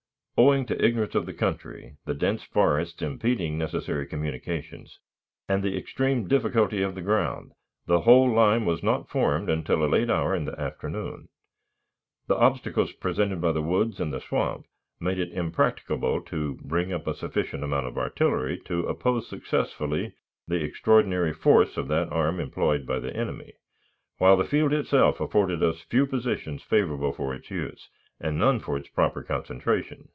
Owing to ignorance of the country, the dense forests impeding necessary communications, and the extreme difficulty of the ground, the whole line was not formed until a late hour in the afternoon. The obstacles presented by the woods and swamp made it impracticable to bring up a sufficient amount of artillery to oppose successfully the extraordinary force of that arm employed by the enemy, while the field itself afforded us few positions favorable for its use, and none for its proper concentration.